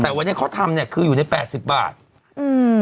แต่วันนี้เขาทำเนี้ยคืออยู่ในแปดสิบบาทอืม